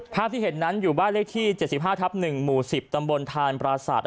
ภาพที่เห็นนั้นอยู่บ้านเลขที่๗๕ทับ๑หมู่๑๐ตำบลทานปราศาสต